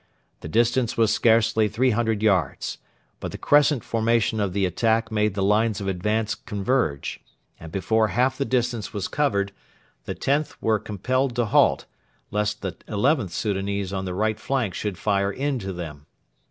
The distance was scarcely three hundred yards; but the crescent formation of the attack made the lines of advance converge, and before half the distance was covered the Xth were compelled to halt, lest the XIth Soudanese on the right flank should fire into them.